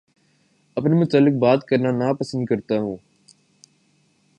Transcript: اپنے متعلق بات کرنا نا پسند کرتا ہوں